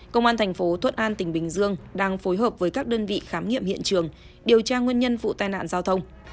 công an thành phố thuận an tỉnh bình dương đang phối hợp với các đơn vị khám nghiệm hiện trường điều tra nguyên nhân vụ tai nạn giao thông